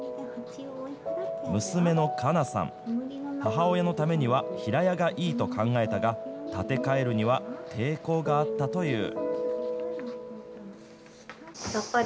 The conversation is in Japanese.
娘の香奈さん、母親のためには平屋がいいと考えたが、建て替えるには抵抗があったという。